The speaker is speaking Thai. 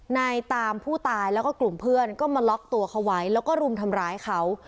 ตามผู้ตายแล้วก็กลุ่มเพื่อนก็มาล็อกตัวเขาไว้แล้วก็รุมทำร้ายเขา